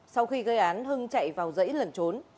sau khi gây án hưng chạy vào dãy lẩn trốn